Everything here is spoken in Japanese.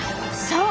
そう！